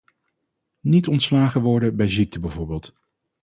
Niet ontslagen worden bij ziekte bijvoorbeeld.